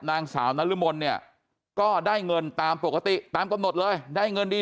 นางสาวนรมนเนี่ยก็ได้เงินตามปกติตามกำหนดเลยได้เงินดี